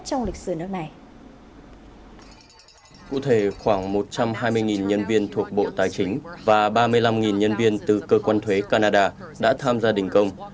cụ thể khoảng một trăm hai mươi nhân viên thuộc bộ tài chính và ba mươi năm nhân viên từ cơ quan thuế canada đã tham gia đình công